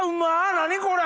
何これ！